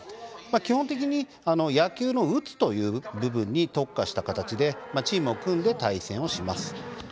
基本的に野球の打つという部分に特化した形でチームを組んで対戦します。